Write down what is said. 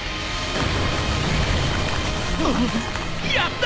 やった！